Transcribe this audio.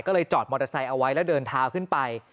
ก็เลยจอดมอเตอร์ไซค์เอาไว้แล้วเดินเท้าขึ้นไป